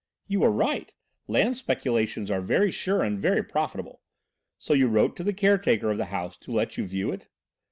"You are right, land speculations are very sure and very profitable. So you wrote to the caretaker of the house to let you view it?"